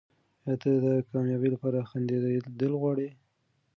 ایا ته د کامیابۍ لپاره خندېدل غواړې؟